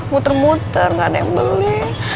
muter muter nggak ada yang beli